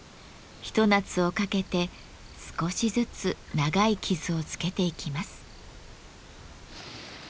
一夏をかけて少しずつ長い傷をつけていきます。